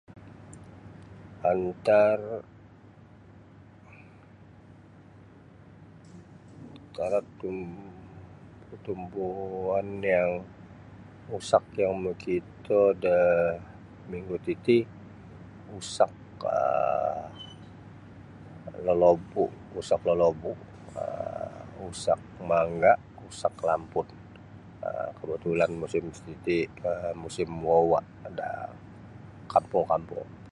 Antar [unintelligible] tumbuan yang usak yang makito da minggu titi usak um usak lolobu usak lolobu um usak mangga usak lampun um kebetulan musim titi musim um uwa-uwa ada da kampung-kampung.